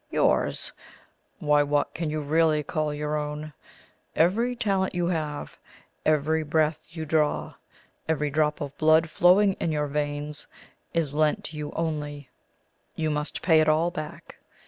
Yours? why, what can you really call your own? Every talent you have, every breath you draw, every drop of blood flowing in your veins, is lent to you only; you must pay it all back.